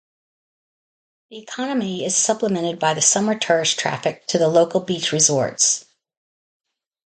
The economy is supplemented by the summer tourist traffic to the local beach resorts.